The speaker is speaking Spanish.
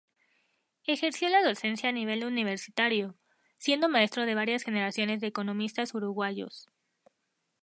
Ejerció la docencia a nivel universitario, siendo maestro de varias generaciones de economistas uruguayos.